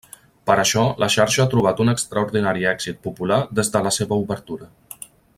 Per això, la xarxa ha trobat un extraordinari èxit popular des de la seva obertura.